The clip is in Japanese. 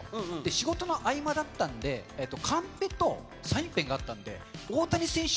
仕事の合間だったんで、カンペとサインペンがあったんで、大谷選手